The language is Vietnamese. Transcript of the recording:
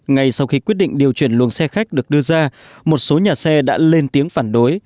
ngay sau khi quyết định điều chuyển luồng xe khách được đưa ra một số nhà xe đã lên tiếng phản đối